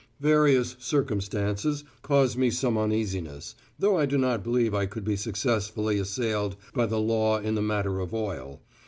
Various circumstances cause me some uneasiness, though I do not believe I could be successfully assailed by the law in the matter of oil.